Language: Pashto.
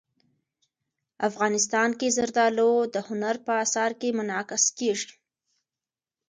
افغانستان کې زردالو د هنر په اثار کې منعکس کېږي.